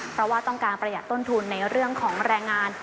เพราะว่าต้องการประหยัดต้นทุนในเรื่องของแรงงาน